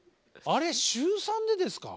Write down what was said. あれ週３でですか？